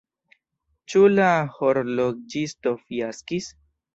Ĉu la horloĝisto fiaskis?